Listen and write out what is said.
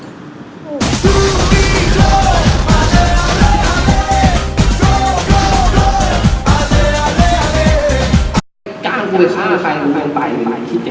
กล้าทั้งคู่ไปฆ่าใครตายคิดอย่างนี้เลย